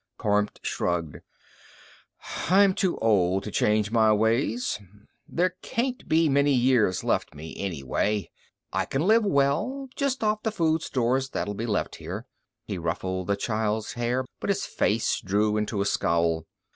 Kormt shrugged. "I'm too old to change my ways; there can't be many years left me, anyway. I can live well, just off the food stores that'll be left here." He ruffled the child's hair, but his face drew into a scowl.